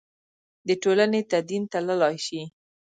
د ټولنې تدین تللای شي.